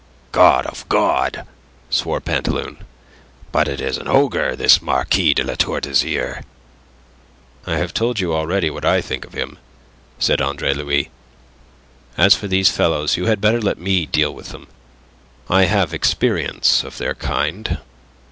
"God of God!" swore Pantaloon. "But it is an ogre, this Marquis de La Tour d'Azyr!" "I have told you already what I think of him," said Andre Louis. "As for these fellows you had better let me deal with them. I have experience of their kind."